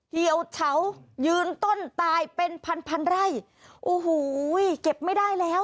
เหี่ยวเฉายืนต้นตายเป็นพันพันไร่โอ้โหเก็บไม่ได้แล้ว